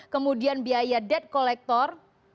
kemudian biaya debt collector